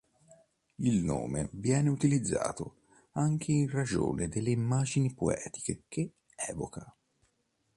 Il nome viene utilizzato anche in ragione delle immagini poetiche che evoca.